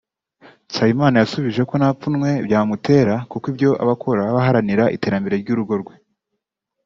Nsabimana yasubije ko nta pfunwe byamutera kuko ibyo akora aba aharanira iterambere ry’urugo rwe